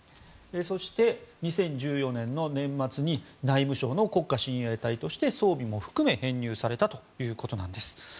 そして、２０１４年の年末に内務省の国家親衛隊として装備も含め編入されたということです。